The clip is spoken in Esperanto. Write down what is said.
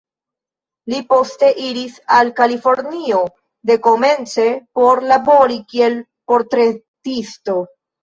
Li poste iris al Kalifornio, dekomence por labori kiel portretisto.